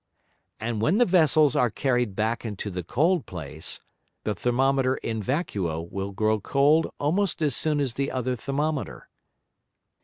And when the Vessels are carried back into the cold place, the Thermometer in vacuo will grow cold almost as soon as the other Thermometer.